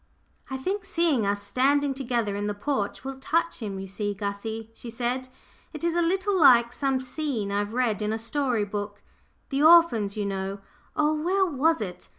"I think seeing us standing together in the porch will touch him, you see, Gussie," she said. "It is a little like some scene I've read of in a story book the orphans, you know oh, where was it?